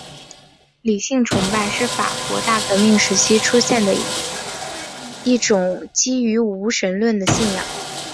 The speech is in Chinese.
理性崇拜是法国大革命时期出现的一种基于无神论的信仰。